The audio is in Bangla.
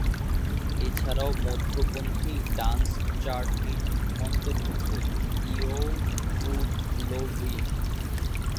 এছাড়াও মধ্যপন্থী ড্যান্স চার্ট হিট অন্তর্ভুক্ত, "ইওয় গুড লভিন'।"